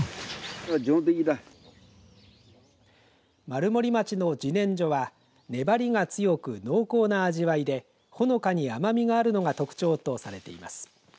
丸森町のじねんじょは粘りが強く濃厚な味わいでほのかに甘みがあるのが特徴とされています。